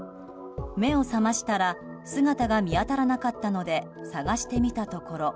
目を覚ましたら姿が見当たらなかったので探してみたところ